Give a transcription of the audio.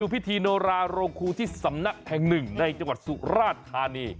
พิธีโนราโรงครูที่สำนักแห่งหนึ่งในจังหวัดสุราชธานี